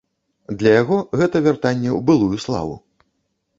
Для яго гэта вяртанне ў былую славу.